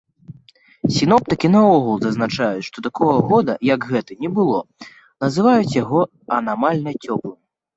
Сіноптыкі наогул зазначаюць, што такога года, як гэты, не было, называюць яго анамальна цёплым.